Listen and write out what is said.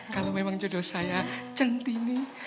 kalau memang jodoh saya centini